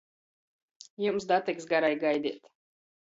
Jums datiks garai gaideit.